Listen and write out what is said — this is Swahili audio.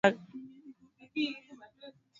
Maelekezo ya kufuata